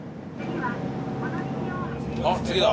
あっ次だ。